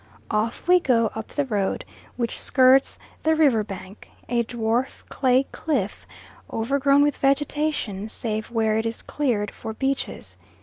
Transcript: Off we go up the road which skirts the river bank, a dwarf clay cliff, overgrown with vegetation, save where it is cleared for beaches.